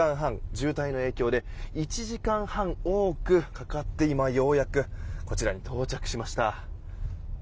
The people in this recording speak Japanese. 渋滞の影響で１時間半多くかかって今ようやくこちらに到着しました。